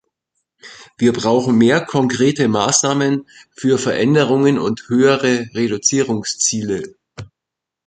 Wir brauchen mehr konkrete Maßnahmen für Veränderungen und höhere Reduzierungsziele.